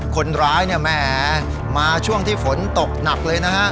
คนร้านี่แหมงมาช่วงฝนตกนัดเลย